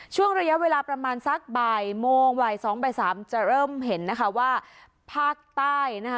ช่วงระยะเวลาประมาณสักบ่ายโมงบ่าย๒บ่ายสามจะเริ่มเห็นนะคะว่าภาคใต้นะคะ